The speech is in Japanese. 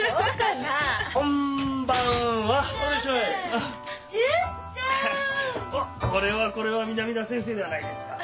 あっこれはこれは南田先生ではないですか。